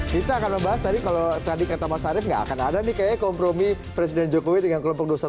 kita akan membahas tadi kalau tadi kata mas arief nggak akan ada nih kayaknya kompromi presiden jokowi dengan kelompok dua ratus dua belas